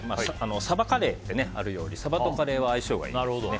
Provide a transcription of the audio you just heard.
サバカレーってあるようにサバとカレーは相性がいいんですよね。